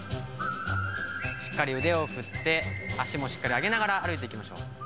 しっかり腕を振って足もしっかり上げながら歩いていきましょう。